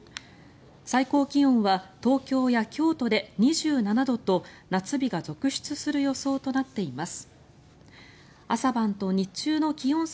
最高気温は東京や京都で２７度と夏日が続出する予想となっています。